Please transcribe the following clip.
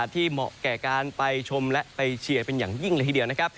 เหมาะแก่การไปชมและไปเชียร์เป็นอย่างยิ่งเลยทีเดียวนะครับ